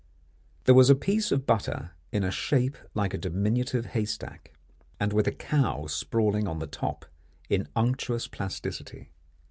There was a piece of butter in a "shape" like a diminutive haystack, and with a cow sprawling on the top in unctuous plasticity.